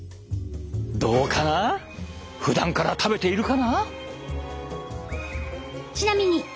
どうかな？ふだんから食べているかな？